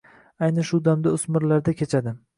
Ayni shu davrda oʻsmirlarda kechadi